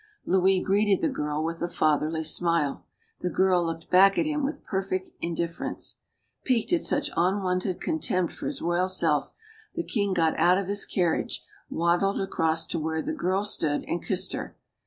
Louis greeted the girl with a fatherly smile. The girl looked back at him with perfect indifference. Piqued at such unwonted contempt for his royal self, the king got out of his carriage, waddled across to where the girl stood, and kissed her.